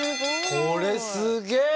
これすげえ！